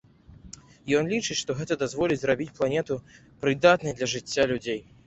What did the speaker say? Ён лічыць, што гэта дазволіць зрабіць планету прыдатнай для жыцця людзей.